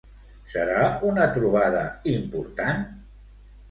Serà una trobada important?